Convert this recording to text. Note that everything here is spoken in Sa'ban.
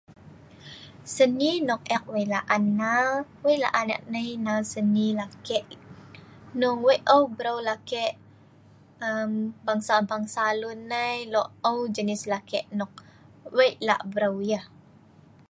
Seni nok ek wei laan nnal, wei laan ek nai nnal seni lakek. Hnong wei aeu breu lakek bangsa-bangsa lun nai. Lok aeu jenis lakek nok Wei lak breu yah